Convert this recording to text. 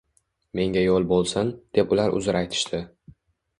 Menga yoʻl boʻlsin, deb ular uzr aytishdi